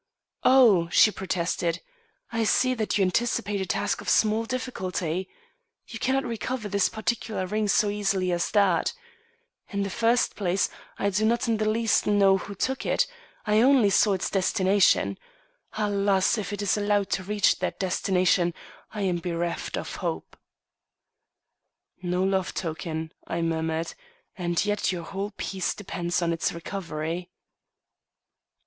"Oh!" she protested, "I see that you anticipate a task of small difficulty. You cannot recover this particular ring so easily as that. In the first place, I do not in the least know who took it; I only know its destination. Alas! if it is allowed to reach that destination, I am bereft of hope." "No love token," I murmured, "and yet your whole peace depends on its recovery."